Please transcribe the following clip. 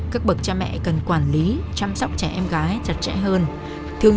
các bậc cha mẹ cần quản lý chăm sóc trẻ em gái chặt chẽ hơn